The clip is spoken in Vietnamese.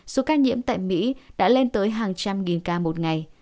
số ca nhiễm tại mỹ đã lên tới hàng trăm nghìn ca một ngày